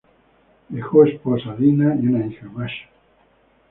Dejó esposa, Dina, y una hija, Masha.